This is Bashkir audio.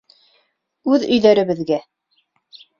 Үҙ өйҙәребеҙгә.